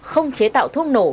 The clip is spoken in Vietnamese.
không chế tạo thuốc nổ